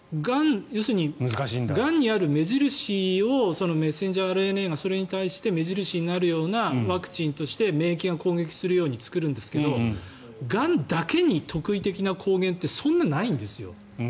がんにある目印をメッセンジャーＲＮＡがそれに対して目印になるようなワクチンとして免疫が攻撃するように作るんですけどがんだけに特異的な抗原ってそんなにないんですよ。